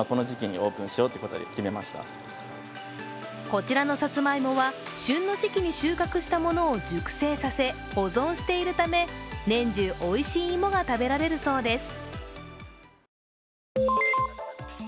こちらのさつまいもは、旬の時期に収穫したものを熟成させ、保存しているため、年中おいしい芋が食べられるそうです。